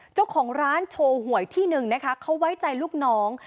เจ้าของร้านโชว์หวยที่หนึ่งนะคะเขาไว้ใจลูกน้อง